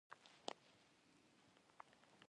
الله د صبر کوونکو سره دی.